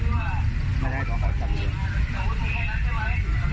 คุยกันอย่างไรอย่างงี้ไม่ได้สองของอย่างเงียบ